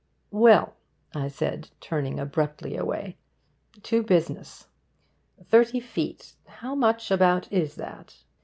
'Well,' I said, turning abruptly away, 'to business! Thirty feet how much, about, is that?